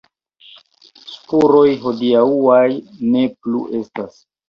Spuroj hodiaŭaj ne plu estas.